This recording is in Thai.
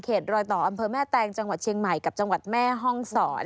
รอยต่ออำเภอแม่แตงจังหวัดเชียงใหม่กับจังหวัดแม่ห้องศร